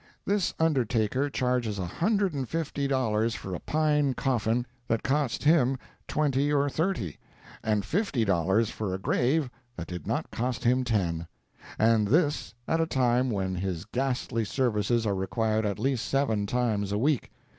This undertaker charges a hundred and fifty dollars for a pine coffin that cost him twenty or thirty, and fifty dollars for a grave that did not cost him ten—and this at a time when his ghastly services are required at least seven times a week.